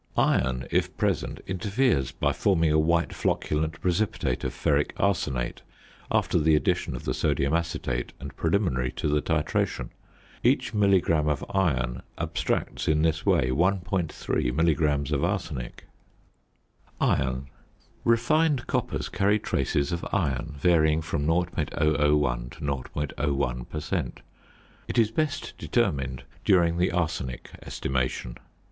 Iron, if present, interferes by forming a white flocculent precipitate of ferric arsenate after the addition of the sodium acetate and preliminary to the titration. Each milligram of iron abstracts, in this way, 1.3 milligrams of arsenic. ~Iron.~ Refined coppers carry traces of iron, varying from 0.001 to 0.01 per cent. It is best determined during the arsenic estimation.